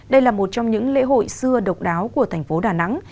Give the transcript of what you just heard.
đây là một trong những lễ hội xưa độc đáo của thành phố đà nẵng